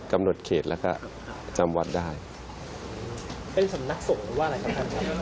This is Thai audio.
กำหนดเขตแล้วก็จำวัดได้เป็นสำนักสงฆ์หรือว่าอะไรครับท่านครับ